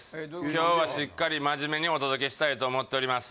今日はしっかり真面目にお届けしたいと思っております